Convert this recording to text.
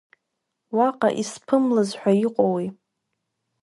Уаҟа исԥымлаз ҳәа иҟоуи.